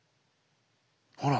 ほら。